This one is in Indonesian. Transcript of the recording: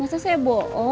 ya siapa punya itu mulutnya